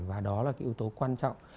và đó là cái ưu tố quan trọng